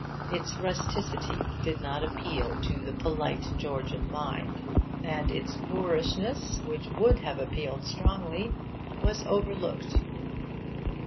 Its rusticity did not appeal to the polite Georgian mind; and its Moorishness, which would have appealed strongly, was overlooked.